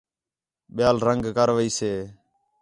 ٻِیال رنگ کَرویسے